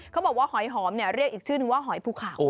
เขาบอกว่าหอยหอมเรียกอีกชื่อนึงว่าหอยภูเขา